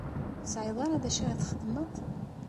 Ur tesɛiḍ ara d acu ara txedmeḍ?